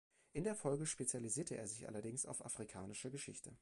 In der Folge spezialisierte er sich allerdings auf afrikanische Geschichte.